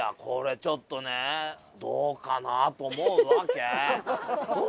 これちょっとねどうかなと思うわけ。